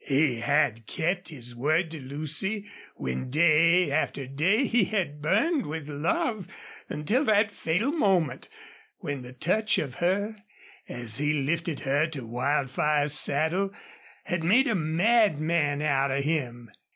He had kept his word to Lucy, when day after day he had burned with love until that fatal moment when the touch of her, as he lifted her to Wildfire's saddle, had made a madman out of him.